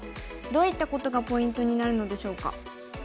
どういったことがポイントになるのでしょうか。